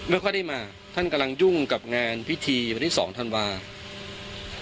ไม่ค่อยได้มาท่านกำลังยุ่งกับงานพิธีวันที่๒ธันวาคม